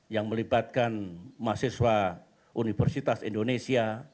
yang melibatkan mahasiswa universitas indonesia